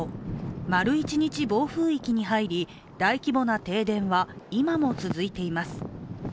丸一日暴風域に入り、大規模な停電は今も続いています。